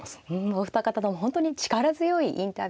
お二方とも本当に力強いインタビューでした。